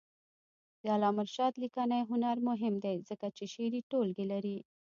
د علامه رشاد لیکنی هنر مهم دی ځکه چې شعري ټولګې لري.